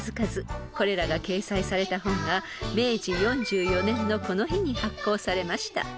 ［これらが掲載された本が明治４４年のこの日に発行されました］